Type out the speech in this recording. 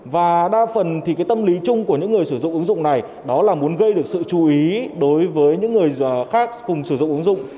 và đa phần thì cái tâm lý chung của những người sử dụng ứng dụng này đó là muốn gây được sự chú ý đối với những người khác cùng sử dụng ứng dụng